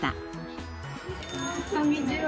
こんにちは。